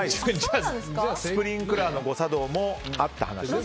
スプリンクラーの誤作動もあった話です。